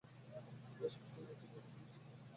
বেশ, কোথায় হচ্ছে পার্টিটা, মিচকে শয়তান?